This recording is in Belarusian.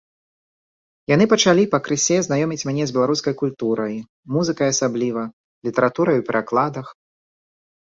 Яны пачалі пакрысе знаёміць мяне з беларускай культурай, музыкай асабліва, літаратурай у перакладах.